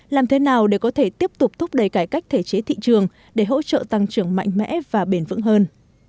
làm thế nào để có thể tiếp tục thúc đẩy cải cách thể chế thị trường để hỗ trợ tăng trưởng mạnh mẽ và bền vững hơn